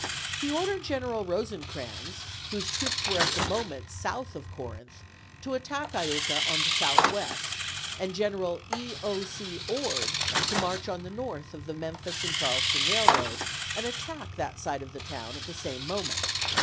He ordered General Eosecrans, whose troops were at the moment south of Corinth, to attack Iuka on the southwest, and General E. 0. C. Ord to march on the north of the Memphis and Charleston railroad and attack that side of the town at the same moment.